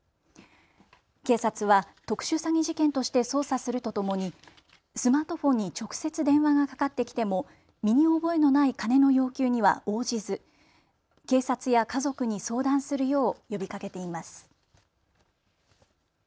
警察は特殊詐欺事件として捜査するとともにスマートフォンに直接電話がかかってきても身に覚えのない金の要求には応じず警察や家族に相談するよう呼びかけています。